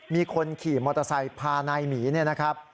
มีคนขี่มอเตอร์ไซค์พานายหมีเนี่ยนะครับ